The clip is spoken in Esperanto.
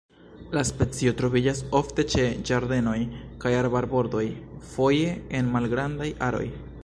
La specio troviĝas ofte ĉe ĝardenoj kaj arbarbordoj, foje en malgrandaj aroj.